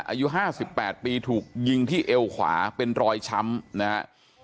อายุ๕๘ปีถูกยิงที่เอวขวาเป็นรอยช้ำนะฮะ